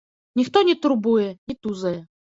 Ніхто не турбуе, не тузае.